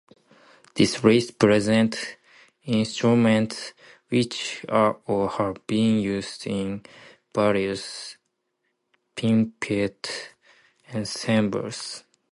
This list presents instruments which are or have been used in various pinpeat ensembles.